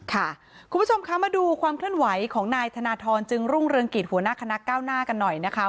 คุณผู้ชมคะมาดูความเคลื่อนไหวของนายธนทรจึงรุ่งเรืองกิจหัวหน้าคณะก้าวหน้ากันหน่อยนะคะ